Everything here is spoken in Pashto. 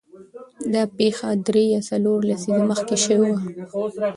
دا پېښه درې یا څلور لسیزې مخکې شوې وه.